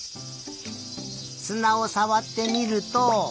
すなをさわってみると。